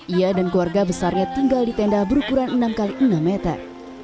ia dan keluarga besarnya tinggal di tenda berukuran enam x enam meter